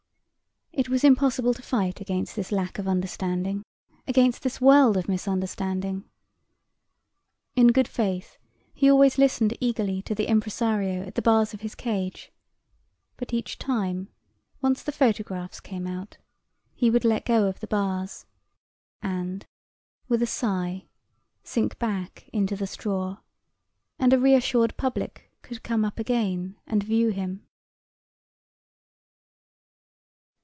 It was impossible to fight against this lack of understanding, against this world of misunderstanding. In good faith he always listened eagerly to the impresario at the bars of his cage, but each time, once the photographs came out, he would let go of the bars and, with a sigh, sink back into the straw, and a reassured public could come up again and view him.